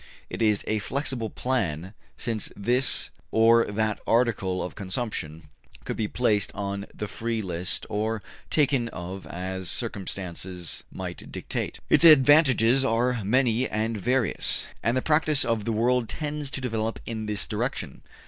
It is a flexible plan, since this or that article of consumption could be placed on the free list or taken of as circumstances might dictate. Its advantages are many and various, and the practice of the world tends to develop in this direction.